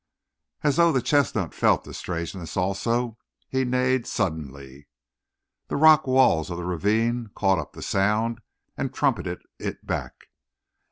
As though the chestnut felt the strangeness also, he neighed suddenly; the rock walls of the ravine caught up the sound and trumpeted it back.